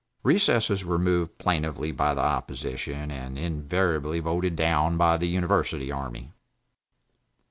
Recesses were moved plaintively by the opposition, and invariably voted down by the University army.